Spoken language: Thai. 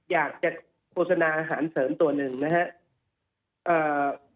อยากจะโฆษณาอาหารเสริมตัวหนึ่งนะครับ